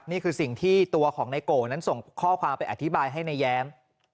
นี่คือสิ่งที่ตัวของนายโกนั้นส่งข้อความไปอธิบายให้นายแย้ม